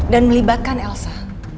dan melibatkan elsa